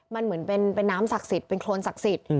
มันเหมือนเป็นน้ำศักดิ์สิทธิ์เป็นโครนศักดิ์สิทธิ์